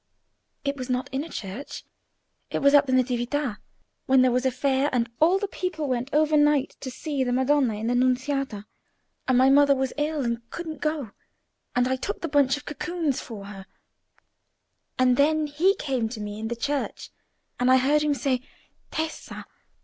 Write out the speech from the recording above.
"It was not in a church—it was at the Nativita, when there was a fair, and all the people went overnight to see the Madonna in the Nunziata, and my mother was ill and couldn't go, and I took the bunch of cocoons for her; and then he came to me in the church and I heard him say, 'Tessa!